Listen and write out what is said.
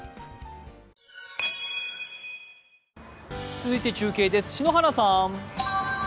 続いて中継です、篠原さん。